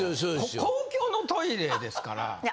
公共のトイレですから。